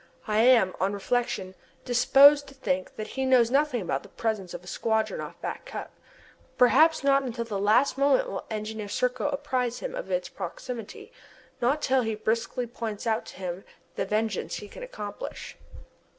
I am, on reflection, disposed to think that he knows nothing about the presence of a squadron off Back Cup. Probably not until the last moment will Engineer Serko apprise him of its proximity, not till he brusquely points out to him the vengeance he can accomplish.